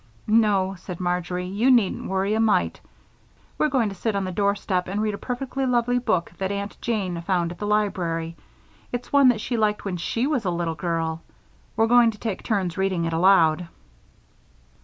"No," said Marjory, "you needn't worry a mite. We're going to sit on the doorstep and read a perfectly lovely book that Aunty Jane found at the library it's one that she liked when she was a little girl. We're going to take turns reading it aloud."